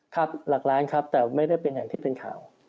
ครับหลักล้านครับแต่ไม่ได้เป็นอย่างที่เป็นข่าว